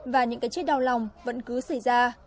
và những cái chết đau lòng vẫn cứ xảy ra